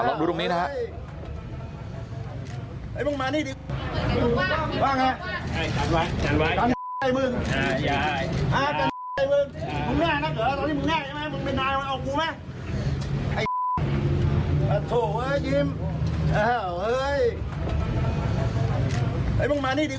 ดูตรงนี้นะครับ